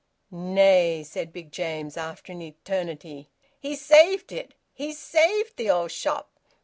"Nay!" said Big James, after an eternity. "He's saved it! He's saved th' old shop!